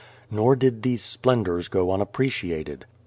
Nor did these splendours go unappreciated.